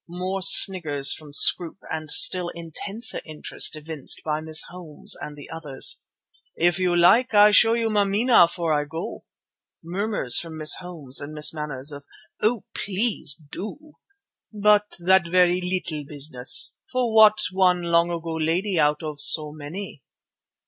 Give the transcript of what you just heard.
(More sniggers from Scroope, and still intenser interest evinced by Miss Holmes and others.) "If you like, I show you Mameena 'fore I go." (Murmurs from Miss Holmes and Miss Manners of "Oh, please do!") "But that very little business, for what one long ago lady out of so many?"